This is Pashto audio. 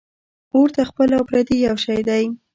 ـ اور ته خپل او پردي یو شی دی .